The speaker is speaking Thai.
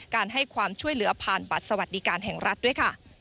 ให้ความช่วยเหลือผ่านบัตรสวัสดิการแห่งรัฐด้วยค่ะ